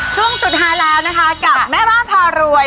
ช่วงสุดท้ายแล้วนะคะกับแม่บ้านพารวย